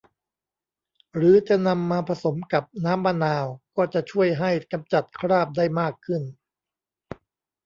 หรือจะนำมาผสมกับน้ำมะนาวก็จะช่วยให้กำจัดคราบได้มากขึ้น